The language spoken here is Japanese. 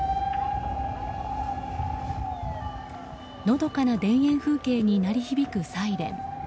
のどかな田園風景に鳴り響くサイレン。